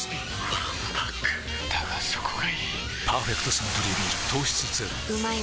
わんぱくだがそこがいい「パーフェクトサントリービール糖質ゼロ」いらっしゃいませ！